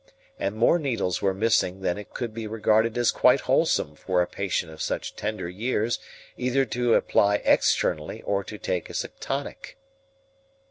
And more needles were missing than it could be regarded as quite wholesome for a patient of such tender years either to apply externally or to take as a tonic.